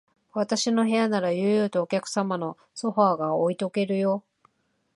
私の部屋なら、悠々とお客用のソファーが置いとけるよ。